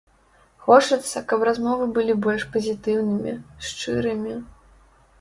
Хочацца, каб размовы былі больш пазітыўнымі, шчырымі.